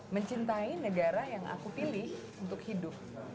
mencintai negara yang aku pilih untuk hidup